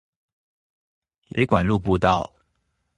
水管路步道